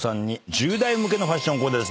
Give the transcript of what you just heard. １０代向けのファッションコーデです。